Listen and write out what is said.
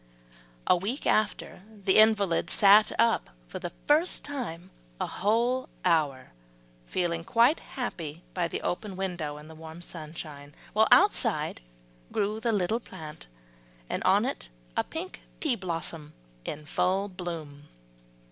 A week after, the invalid sat up for the first time a whole hour, feeling quite happy by the open window in the warm sunshine, while outside grew the little plant, and on it a pink pea blossom in full bloom.